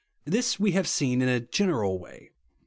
This we have seen in a general way.